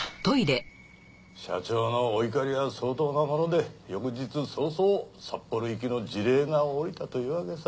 社長のお怒りは相当なもので翌日早々札幌行きの辞令がおりたというわけさ。